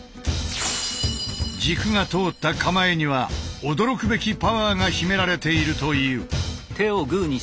軸が通った構えには驚くべきパワーが秘められているという。